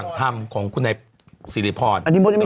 ก็บร้อย๒กล่อง๑๐๐อ่ะ๑๐กล่อง๒๑๐อ่ะ